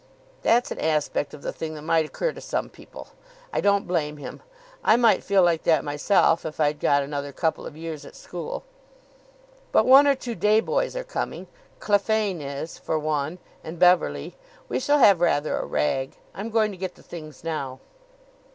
"That's an aspect of the thing that might occur to some people. I don't blame him I might feel like that myself if I'd got another couple of years at school." "But one or two day boys are coming. Clephane is, for one. And Beverley. We shall have rather a rag. I'm going to get the things now."